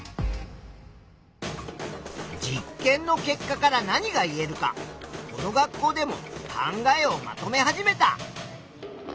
実験の結果から何が言えるかこの学校でも考えをまとめ始めた。